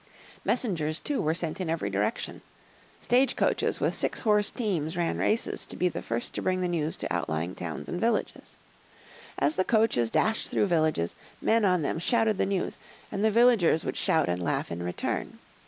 Messengers too were sent in every direction. Stage coaches with six horse teams ran races to be the first to bring the news to outlying towns and villages. As the coaches dashed through villages men on them shouted the news, and the villagers would shout and laugh in return.